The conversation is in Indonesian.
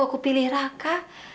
aku pilih raka